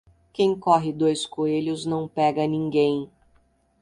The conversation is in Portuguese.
Quem corre dois coelhos não pega ninguém.